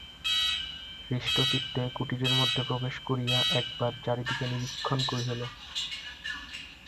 হৃষ্টচিত্তে কুটিরের মধ্যে প্রবেশ করিয়া একবার চারিদিকে নিরীক্ষণ কহিল।